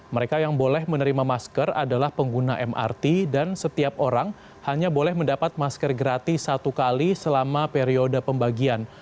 mereka yang boleh menerima masker adalah pengguna mrt dan setiap orang hanya boleh mendapat masker gratis satu kali selama periode pembagian